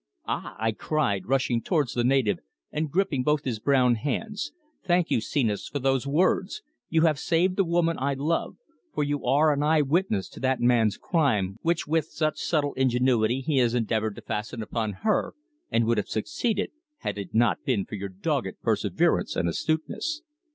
"Ah!" I cried, rushing towards the native, and gripping both his brown hands. "Thank you, Senos, for those words. You have saved the woman I love, for you are an eye witness to that man's crime which with such subtle ingenuity he has endeavoured to fasten upon her, and would have succeeded had it not been for your dogged perseverance and astuteness."